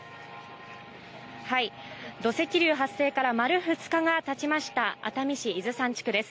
土石流発生から丸２日が経ちました、熱海市伊豆山地区です。